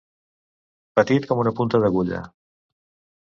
Petit com una punta d'agulla.